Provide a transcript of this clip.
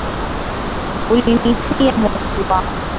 Ulinifia mwokozi wangu